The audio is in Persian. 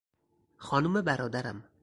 خانم برادرم